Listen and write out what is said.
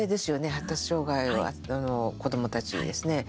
発達障害は、子どもたちのですね。